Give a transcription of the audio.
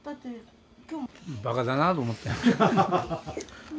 馬鹿だなと思って。